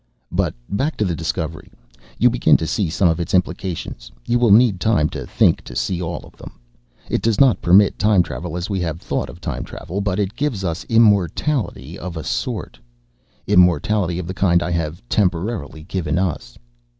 "But back to the discovery. You begin to see some of its implications. You will need time to think to see all of them. "It does not permit time travel as we have thought of time travel, but it gives us immortality of a sort. Immortality of the kind I have temporarily given us.